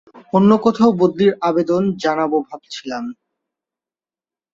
অন্য কোথাও বদলির আবেদন জানাব ভাবছিলাম।